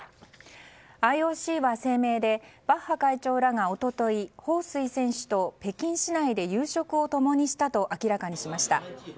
ＩＯＣは声明でバッハ会長らが一昨日ホウ・スイ選手と北京市内で夕食を共にしたと明らかにしました。